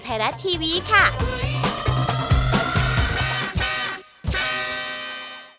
สวัสดีครับ